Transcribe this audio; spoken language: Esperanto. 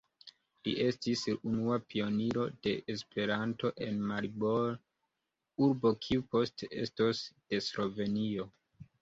Li estis unua pioniro de Esperanto en Maribor, urbo kiu poste estos de Slovenio.